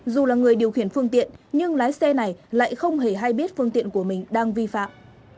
dù là người điều khiển phương tiện nhưng lái xe này lại không hề hay biết phương tiện của mình đang vi phạm